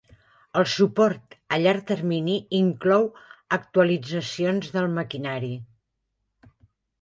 El suport a llarg termini inclou actualitzacions del maquinari